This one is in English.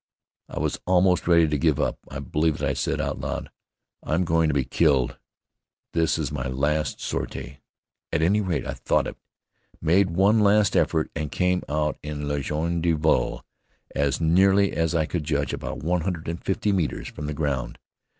I was almost ready to give up. I believe that I said, out loud, "I'm going to be killed. This is my last sortie." At any rate, I thought it. Made one last effort and came out in ligne de vol, as nearly as I could judge, about one hundred and fifty metres from the ground.